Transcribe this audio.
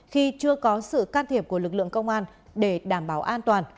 khi chưa có sự can thiệp của lực lượng công an để đảm bảo an toàn